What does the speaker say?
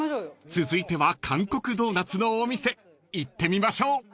［続いては韓国ドーナツのお店行ってみましょう］